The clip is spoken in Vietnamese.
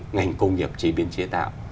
ngành công nghiệp chế biến chế tạo